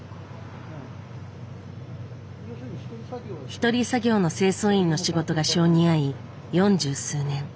一人作業の清掃員の仕事が性に合い四十数年。